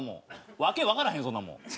訳わからへんそんなもん。